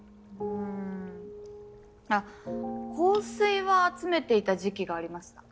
んあっ香水は集めていた時期がありました。